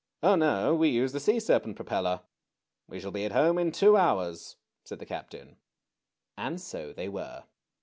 ^^Oh, no. We use the sea serpent propeller. We shall be at home in two hours,'' said the captain. And so they were.